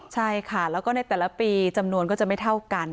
ใช่ค่ะแล้วก็ในแต่ละปีจำนวนก็จะไม่เท่ากัน